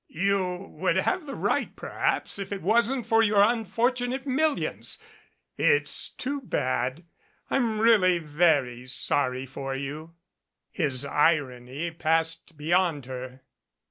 "You would have the right perhaps if it wasn't for your unfortunate millions. It's too bad. I'm really very sorry for you." His irony passed beyond her.